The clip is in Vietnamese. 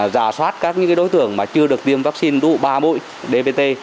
giả soát các đối tưởng chưa được tiêm vaccine đủ ba mũi dvt